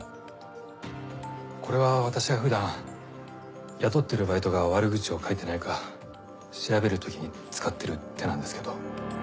これは私が普段雇ってるバイトが悪口を書いてないか調べる時に使ってる手なんですけど。